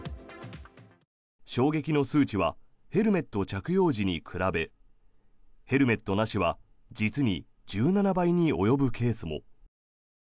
衝撃の数値はヘルメット着用時に比べヘルメットなしは実に１７倍に及ぶケースも。